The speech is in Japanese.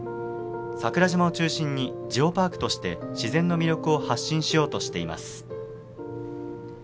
桜島を中心にジオパークとして、自然の魅力を発信しようとしています。